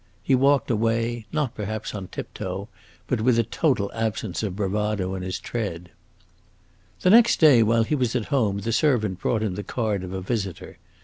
He walked away not, perhaps, on tiptoe, but with a total absence of bravado in his tread. The next day, while he was at home, the servant brought him the card of a visitor.